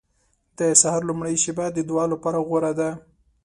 • د سهار لومړۍ شېبه د دعا لپاره غوره ده.